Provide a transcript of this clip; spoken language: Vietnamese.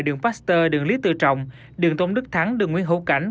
đường faster đường lý tự trọng đường tổng đức thắng đường nguyễn hữu cảnh